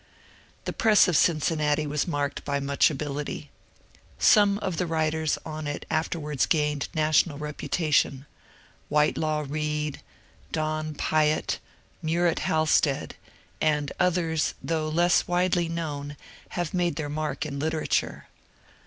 The press of Cincinnati was marked by much ability. Some of the writers on it afterwards gained national reputa tion, — Whitelaw Reid, Donn Piatt, Murat Halstead, — and others though less widely known have made their mark in literature.